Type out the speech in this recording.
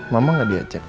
mama ga diajak